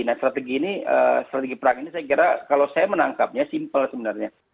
nah strategi ini strategi perang ini saya kira kalau saya menangkapnya simpel sebenarnya